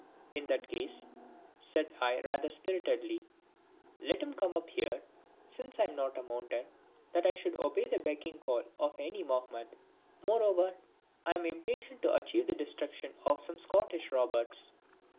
"In that case," said I, rather spiritedly, "let him come up here, since I am not a mountain that I should obey the becking call of any Mahomet. Moreover, I am impatient to achieve the destruction of some Scottish roberts."